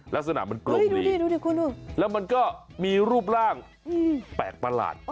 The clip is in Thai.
ลักษณะมันกลมแล้วมันก็มีรูปร่างแปลกประหลาด